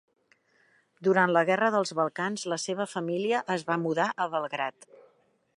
Durant la Guerra dels Balcans la seva família es va mudar a Belgrad.